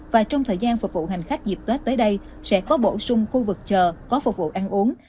và trong thời gian phục vụ hành khách dịp tết tới đây sẽ có bổ sung khu vực chờ có phục vụ ăn uống